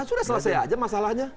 sudah selesai aja masalahnya